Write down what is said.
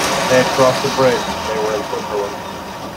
They had crossed the bridge; they were in Switzerland.